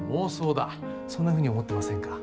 そんなふうに思ってませんか？